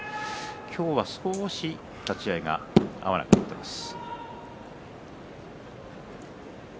今日は少し立ち合いが合わなくなっています。